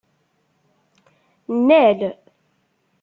Nnal.